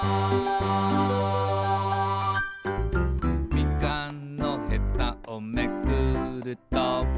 「みかんのヘタをめくると」